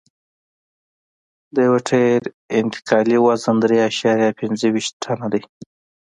د یو ټیر انتقالي وزن درې اعشاریه پنځه ویشت ټنه دی